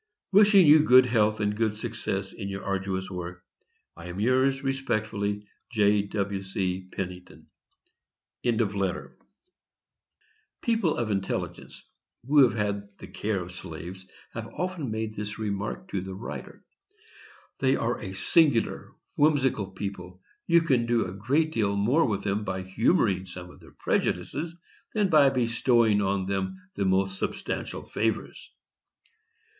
Wishing you good health and good success in your arduous work, I am yours, respectfully, J. W. C. PENNINGTON. People of intelligence, who have had the care of slaves, have often made this remark to the writer: "They are a singular whimsical people; you can do a great deal more with them by humoring some of their prejudices, than by bestowing on them the most substantial favors."